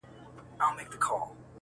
د تاریخي کرنې حاصلات لږ وو.